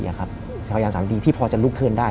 พยายามสาวดีที่พอจะลุกขึ้นได้